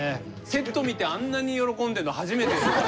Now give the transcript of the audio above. セット見てあんなに喜んでるの初めて。